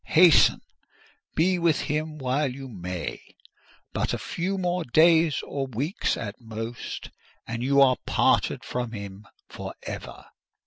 hasten! be with him while you may: but a few more days or weeks, at most, and you are parted from him for ever!"